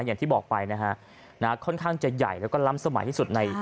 อย่างที่บอกไปนะฮะค่อนข้างจะใหญ่แล้วก็ล้ำสมัยที่สุดใน